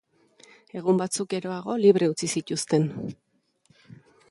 Egun batzuk geroago libre utzi zituzten.